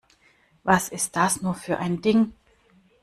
Was ist das nur für ein Ding?